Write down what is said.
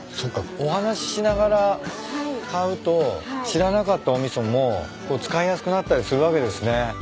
お話しながら買うと知らなかったお味噌も使いやすくなったりするわけですね。